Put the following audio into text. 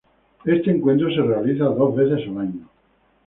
Este encuentro se realiza dos veces al año.